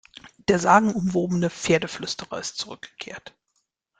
Der sagenumwobene Pferdeflüsterer ist zurückgekehrt!